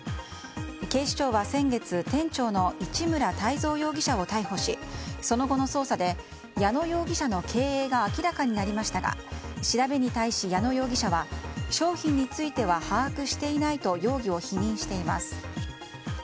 警視庁は先月店長の市村泰三容疑者を逮捕しその後の捜査で矢野容疑者の経営が明らかになりましたが調べに対し、矢野容疑者は商品については把握していないと容疑を否認しています。